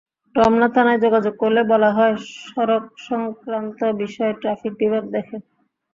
রমনা থানায় যোগাযোগ করলে বলা হয়, সড়কসংক্রান্ত বিষয় ট্রাফিক বিভাগ দেখে।